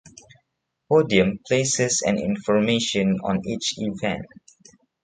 Podium places and information on each event.